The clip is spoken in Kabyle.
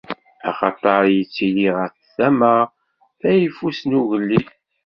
Axaṭer ittili ɣer tama tayeffust n ugellil.